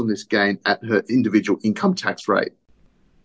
dan dia akan membeli keuntungan pajak pada harga pajak pendapatan individu